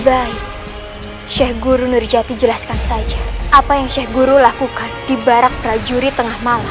baik sheikh guru nurjati jelaskan saja apa yang sheikh guru lakukan di barak prajurit tengah malam